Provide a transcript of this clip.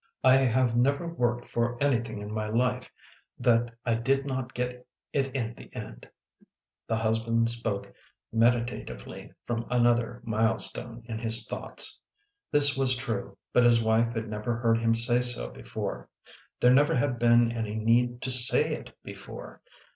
," I have never worked for anything in my life that I did not get it in the end." The husband spoke medi tatively from another mile stone in his thoughts. This was true, but his wife had never heard him say so before. There never had been any need to say it before.